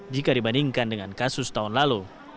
jika dibandingkan dengan kasus tahun lalu